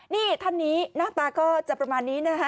นี่ท่านนี้หน้าตาก็จะประมาณนี้นะคะ